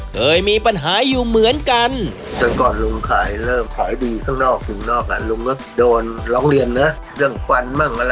เคยมีปัญหาอยู่เหมือนกัน